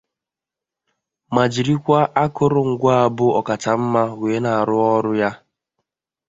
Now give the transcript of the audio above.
ma jirikwa akụrụngwa bụ ọkachamma wee na-arụ ya.